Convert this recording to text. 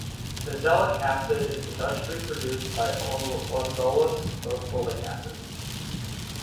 Azelaic acid is industrially produced by the ozonolysis of oleic acid.